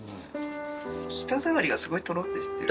舌触りがすごいトロッてしてる。